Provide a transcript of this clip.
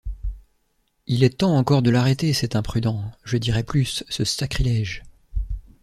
Il est temps encore de l’arrêter, cet imprudent... je dirai plus, ce sacrilège!...